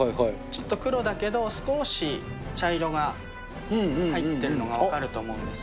ちょっと黒だけど少し茶色が入っているのが分かると思うんですよ。